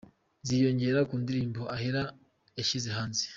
ziyongera ku ndirimbo “Ahera” yashyize hanze.